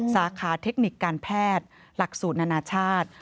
สาขาเทคนิคการแพทย์หลักสูตรนานาชาติ